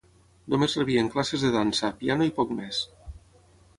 Només rebien classes de dansa, piano i poc més.